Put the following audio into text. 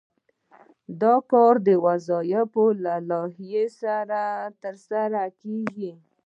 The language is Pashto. دا کار د وظایفو له لایحې سره کیږي.